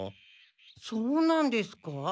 そうなんですか。